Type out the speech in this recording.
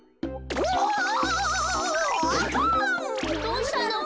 どうしたの？